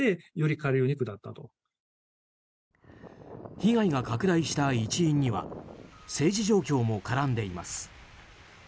被害が拡大した一因には政治状況も絡んでいます。